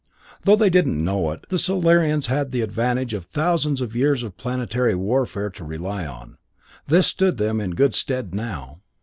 Though they didn't know it, the Solarians had the advantage of thousands of years of planetary warfare to rely on. This stood them in good stead now.